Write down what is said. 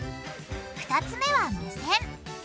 ２つ目は目線。